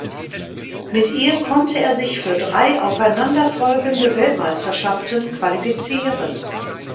Mit ihr konnte er sich für drei aufeinanderfolgende Weltmeisterschaften qualifizieren.